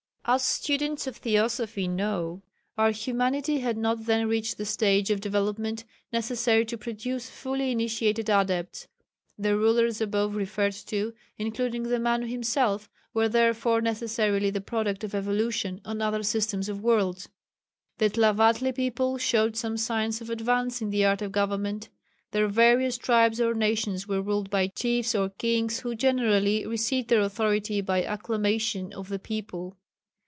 As students of Theosophy know, our humanity had not then reached the stage of development necessary to produce fully initiated Adepts. The rulers above referred to, including the Manu himself, were therefore necessarily the product of evolution on other systems of worlds. The Tlavatli people showed some signs of advance in the art of government. Their various tribes or nations were ruled by chiefs or kings who generally received their authority by acclamation of the people.